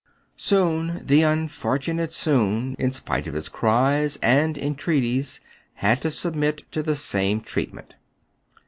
Soun, the unfortunate Soun, in spite of his cries and entreaties, had to submit to the same treatment.